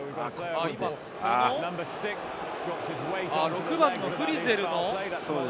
６番フリゼルの。